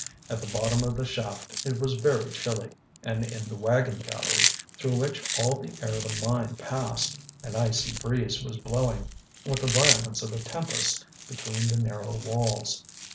At the bottom of the shaft it was very chilly, and in the wagon gallery, through which all the air of the mine passed, an icy breeze was blowing, with the violence of a tempest, between the narrow walls.